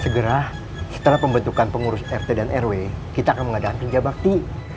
segera setelah pembentukan pengurus rt dan rw kita akan mengadakan kerja bakti